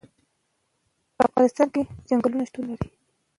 په افغانستان کې چنګلونه شتون لري.